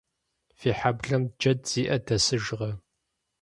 Фи хьэблэм джэд зиӏэ дэсыжкъэ?